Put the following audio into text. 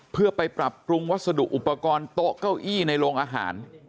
เพื่อไปปรับปรุงวัสดุอุปกรณ์โต๊ะเก้าอี้ในโรงอาหาร